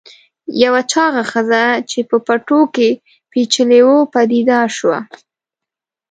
یوه چاغه ښځه چې په پټو کې پیچلې وه پدیدار شوه.